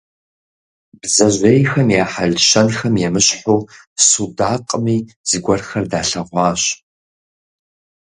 Бдзэжьейхэм я хьэл-щэнхэм емыщхьу судакъми зыгуэрхэр далъэгъуащ.